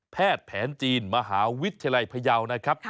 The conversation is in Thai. แพทย์แผนจีนมหาวิทยาลัยพยาวนะครับ